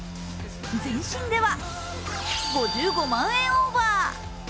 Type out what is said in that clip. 全身では、５５万円オーバー。